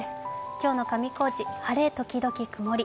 今日の上高地、晴れ時々曇り。